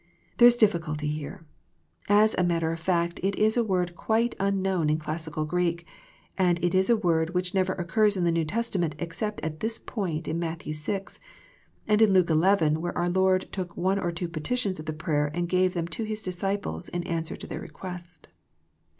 There is difficulty here. As a matter of fact it is a word quite un known in classical Greek, and it is a word which never occurs in the New Testament except at this point in Matthew 6 and in Luke 11 where our Lord took one or two petitions of the prayer and gave them to His disciples in answer to their re quest.